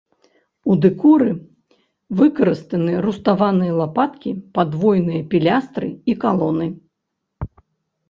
У дэкоры выкарыстаны руставаныя лапаткі, падвойныя пілястры і калоны.